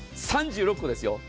３６個ですよ。